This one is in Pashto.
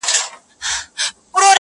په للو دي هره شپه يم زنگولى-